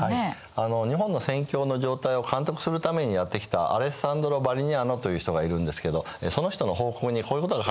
日本の宣教の状態を監督するためにやって来たアレッサンドロ・ヴァリニャーノという人がいるんですけどその人の報告にこういうことが書いてあるんですね。